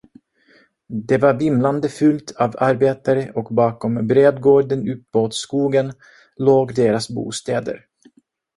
Det var vimlande fullt av arbetare och bakom brädgården uppåt skogen låg deras bostäder.